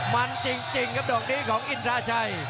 มันจริงครับดอกนี้ของอินทราชัย